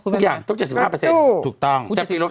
ทุกอย่างต้อง๗๕